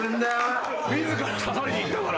自ら刺さりにいったから。